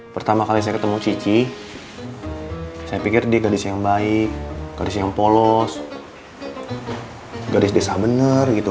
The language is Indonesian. pertama kali saya ketemu cici saya pikir dia gadis yang baik gadis yang polos gadis desa benar gitu